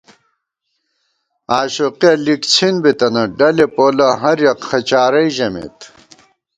آشوقِیَہ لِکڅِھن بِتنہ ، ڈلے پولہ ہریَک خہ چارَئی ژمېت